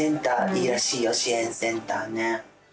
支援センターね。